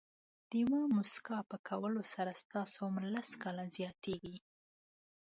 د یوې موسکا په کولو سره ستاسو عمر لس کاله زیاتېږي.